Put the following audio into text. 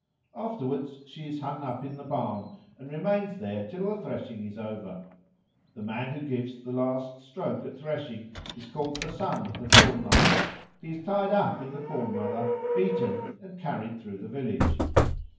Afterwards she is hung up in the barn and remains there till the threshing is over. The man who gives the last stroke at threshing is called the son of the Corn mother; he is tied up in the Corn mother, beaten, and carried through the village.